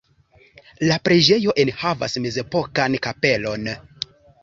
La preĝejo enhavas mezepokan kapelon.